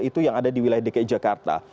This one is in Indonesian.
itu yang ada di wilayah dki jakarta